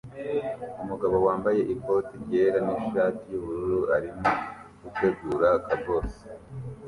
Umugabo wambaye ikote ryera nishati yubururu arimo gutegura kabobs